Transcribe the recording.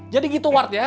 jadi gitu ward ya